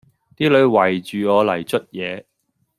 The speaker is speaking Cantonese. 啲女圍住我嚟捽嘢